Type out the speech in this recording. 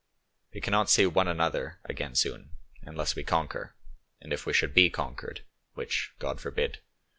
We cannot see one another again soon, unless we conquer; and if we should be conquered (which God forbid!)